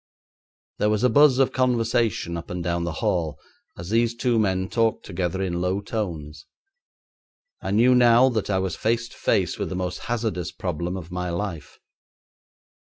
There was a buzz of conversation up and down the hall as these two men talked together in low tones. I knew now that I was face to face with the most hazardous problem of my life.